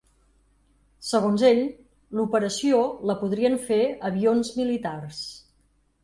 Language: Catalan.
Segons ell, l’operació la podrien fer avions militars.